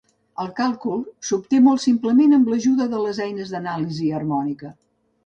El càlcul s'obté molt simplement amb l'ajuda de les eines de l'anàlisi harmònica.